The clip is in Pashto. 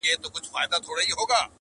پر شنو بانډو به ګرځېدله مست بېخوده زلمي!